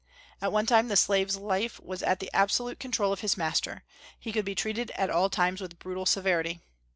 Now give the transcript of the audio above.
At one time the slave's life was at the absolute control of his master; he could be treated at all times with brutal severity.